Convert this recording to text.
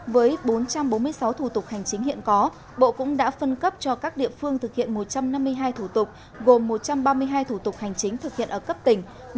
với bốn trăm bốn mươi sáu thủ tục hành chính hiện có bộ cũng đã phân cấp cho các địa phương thực hiện một trăm năm mươi hai thủ tục gồm một trăm ba mươi hai thủ tục hành chính thực hiện ở cấp tỉnh